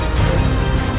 aku akan menangkapmu